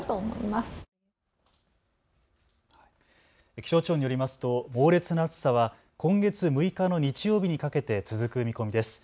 気象庁によりますと猛烈な暑さは今月６日の日曜日にかけて続く見込みです。